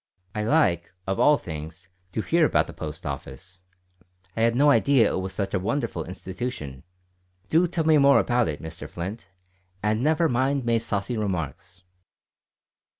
"I like, of all things, to hear about the Post Office. I had no idea it was such a wonderful institution. Do tell me more about it, Mr Flint, and never mind May's saucy remarks."